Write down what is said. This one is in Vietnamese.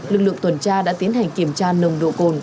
lực lượng tuần tra đã tiến hành kiểm tra nồng độ cồn